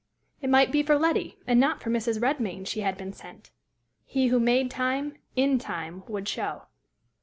It might be for Letty, and not for Mrs. Redmain, she had been sent. He who made time in time would show.